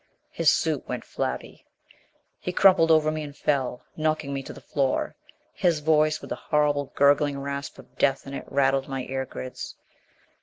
His suit went flabby. He crumpled over me and fell, knocking me to the floor. His voice, with the horrible gurgling rasp of death in it, rattled my ear grids.